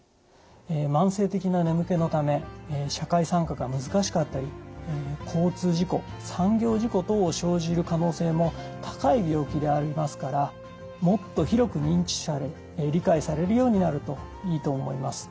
慢性的な眠気のため社会参加が難しかったり交通事故産業事故等を生じる可能性も高い病気でありますからもっと広く認知され理解されるようになるといいと思います。